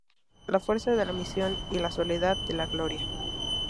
La fuerza de la misión y la soledad de la gloria".